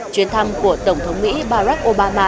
chuyến thăm của tổng thống mỹ barack obama